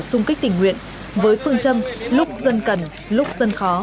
xung kích tình nguyện với phương châm lúc dân cần lúc dân khó